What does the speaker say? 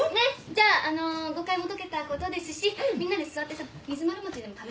じゃああの誤解も解けたことですしみんなで座ってさ水まる餅でも食べましょうよ。